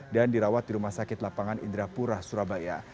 dan dirawat di rumah sakit lapangan indrapura surabaya